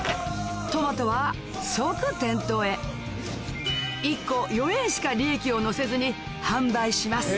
トマトは即店頭へ１個４円しか利益を乗せずに販売します